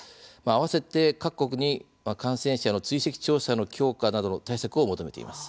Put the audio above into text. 合わせて、各国に感染者の追跡調査の強化など対策を求めています。